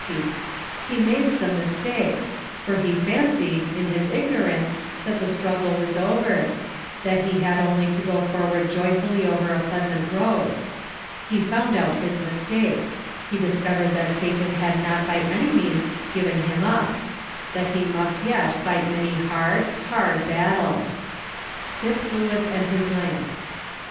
45 20. He made some mistakes; for lie fancied, in liis ignorance, that the struggle was over — that he had only to go forward joyfully over a pleasant road. He found out his mistake; he discovered that Satan had not. by any means given him up; that he must yet fight many hard, hard battles. Tip Lewis and His Lamp.